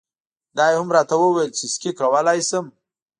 دا یې هم راته وویل چې سکی کولای شم.